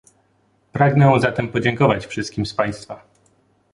Pragnę zatem podziękować wszystkim z państwa